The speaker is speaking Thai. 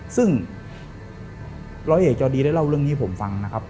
ซึ่งร้อยเอกจอดีได้เล่าเรื่องนี้ให้ผมฟังนะครับ